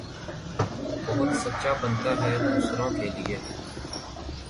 بہت سچا بنتا ھے دوسروں کے لئے